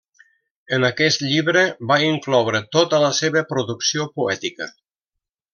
En aquest llibre va incloure tota la seva producció poètica.